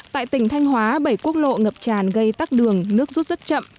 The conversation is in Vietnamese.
tại tỉnh thanh hóa bảy quốc lộ ngập tràn gây tắt đường nước rút rất chậm